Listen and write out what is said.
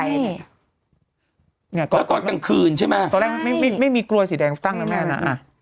แล้วตอนกลางคืนใช่ไหมตอนแรกไม่มีกลวยสีแดงตั้งนะแม่นะ